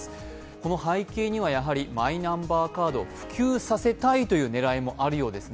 この背景には、やはりマイナンバーカード普及させたいという狙いもあるようです。